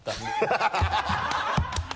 ハハハ